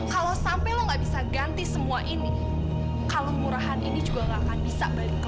kalau sampai lo nggak bisa ganti semua ini kalung murahan ini juga nggak akan bisa balik ke lo